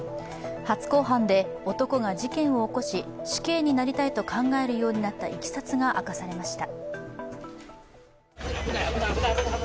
初公判で男が事件を起こし死刑になりたいと考えるようになったいきさつが明かされました。